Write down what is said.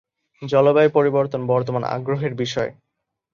জলবায়ু পরিবর্তন বর্তমান আগ্রহের বিষয়।